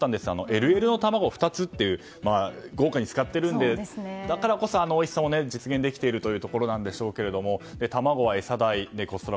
ＬＬの卵２つと豪華に使っているのでだからこそ、あのおいしさを実現できているというところなんでしょうけど卵は餌代、コスト高